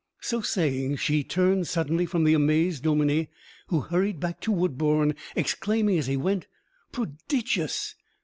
So saying, she turned suddenly from the amazed dominie, who hurried back to Woodbourne, exclaiming as he went, "Prodigious!